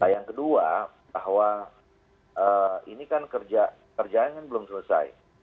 yang kedua bahwa ini kan kerjanya kan belum selesai